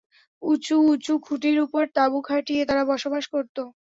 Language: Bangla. উঁচু উঁচ খুঁটির উপর তাঁবু খাটিয়ে তারা বসবাস করত।